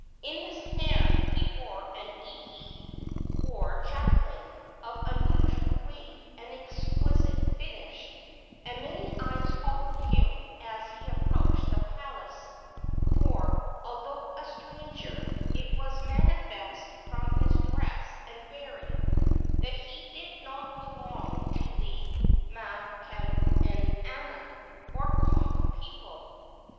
In his hand he bore an ihe, or javelin, of unusual weight and exquisite finish, and many eyes followed him as he approached the palace; for, although a stranger, it was manifest from his dress and bearing that he did not belong to the makaainana, or common people.